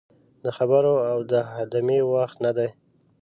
د خبرو او دمې وخت نه دی.